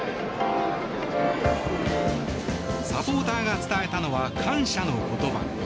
サポーターが伝えたのは感謝の言葉。